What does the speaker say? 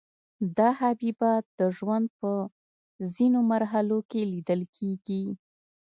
دا حبیبات د ژوند په ځینو مرحلو کې لیدل کیږي.